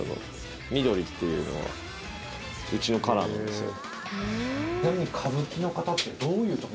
緑っていうのはうちのカラーなんですよ。